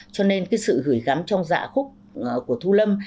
cho nên cái sự gửi gắm trong giả khúc của thu lâm